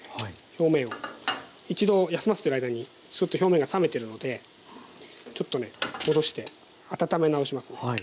表面を一度休ませてる間にちょっと表面が冷めてるのでちょっとね戻して温め直しますね。